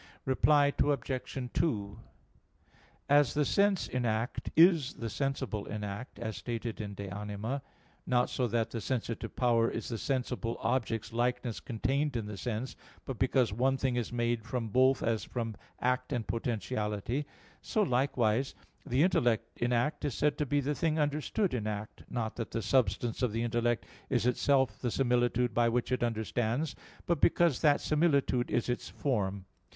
Reply Obj. 2: As the sense in act is the sensible in act, as stated in De Anima ii, text. 53, not so that the sensitive power is the sensible object's likeness contained in the sense, but because one thing is made from both as from act and potentiality: so likewise the intellect in act is said to be the thing understood in act, not that the substance of the intellect is itself the similitude by which it understands, but because that similitude is its form.